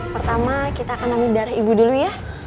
pertama kita akan namu darah ibu dulu ya